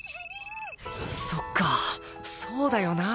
そっかそうだよな！